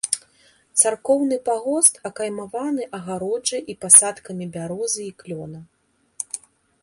Царкоўны пагост акаймаваны агароджай і пасадкамі бярозы і клёна.